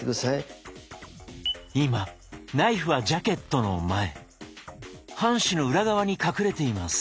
今ナイフはジャケットの前半紙の裏側に隠れています。